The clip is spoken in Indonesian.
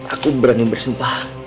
aku berani bersumpah